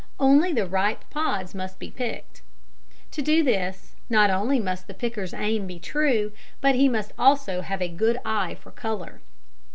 Only the ripe pods must be picked. To do this, not only must the picker's aim be true, but he must also have a good eye for colour.